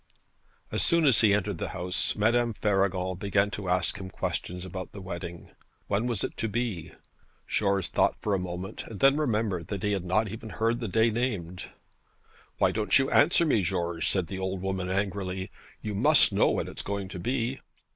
As soon as he entered the house Madame Faragon began to ask him questions about the wedding. When was it to be? George thought for a moment, and then remembered that he had not even heard the day named. 'Why don't you answer me, George?' said the old woman angrily. 'You must know when it's going to be.'